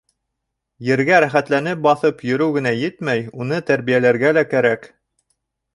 Ергә рәхәтләнеп баҫып йөрөү генә етмәй, уны тәрбиәләргә лә кәрәк.